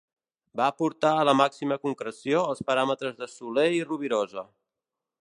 Va portar a la màxima concreció els paràmetres de Soler i Rovirosa.